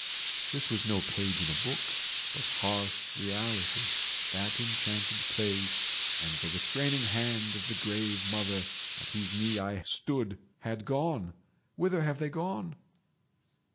This was no page in a book, but harsh reality; that enchanted place and the restraining hand of the grave mother at whose knee I stood had gone—whither have they gone?"